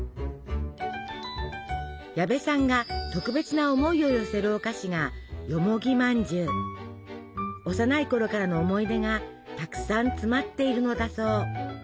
矢部さんが特別な思いを寄せるお菓子が幼いころからの思い出がたくさん詰まっているのだそう。